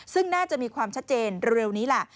ซึ่งน่าจะมีความชัดเจนเร็วนี้ล่ะ